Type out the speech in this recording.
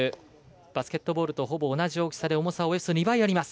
バスケットボールとほぼ同じボールで重さは２倍あります。